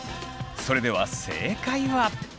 それでは正解は。